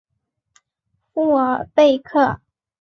富尔贝克。